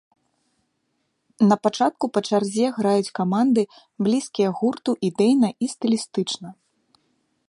Напачатку па чарзе граюць каманды, блізкія гурту ідэйна і стылістычна.